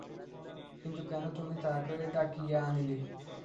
কিন্তু কেন তুমি তাঁহাকে ডাকিয়া আনিলে?